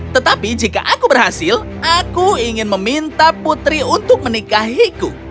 tetapi jika aku berhasil aku ingin meminta putri untuk menikahiku